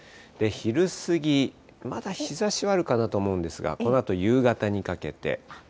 昼過ぎ、まだ日ざしはあるかなと思いますが、このあと夕方にかけて。